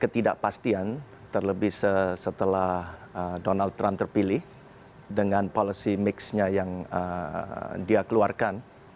ketidakpastian terlebih setelah donald trump terpilih dengan policy mix nya yang dia keluarkan